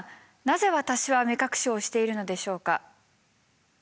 なぜ私は目隠しをしているのでしょうか？